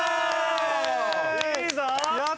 いいぞ！